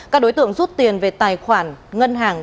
các đối tượng rút tiền về tài khoản ngân hàng